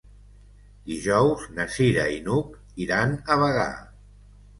Dijous na Cira i n'Hug iran a Bagà.